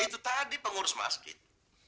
itu tadi pengurus masjid